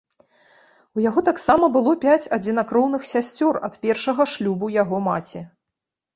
У яго таксама было пяць адзінакроўных сясцёр ад першага шлюбу яго маці.